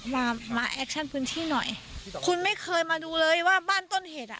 มามาแอคชั่นพื้นที่หน่อยคุณไม่เคยมาดูเลยว่าบ้านต้นเหตุอ่ะ